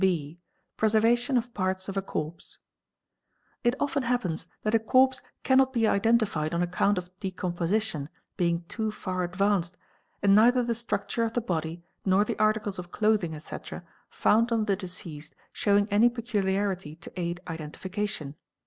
B. Preservation of parts of a corpse. It often happens that a corpse cannot be identified on account of decomposition being too far advanced and neither the structure of the body nor the articles of clothing, etc., found on the deceased showing any peculiarity to aid identification.